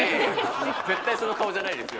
絶対その顔じゃないですよ。